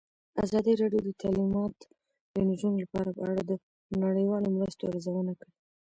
ازادي راډیو د تعلیمات د نجونو لپاره په اړه د نړیوالو مرستو ارزونه کړې.